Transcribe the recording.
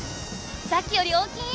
さっきより大きい！